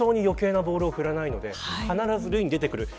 余計なボールを振らないので必ず塁に出てくる。